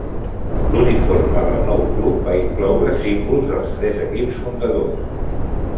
L'uniforme del nou club va incloure símbols dels tres equips fundadors.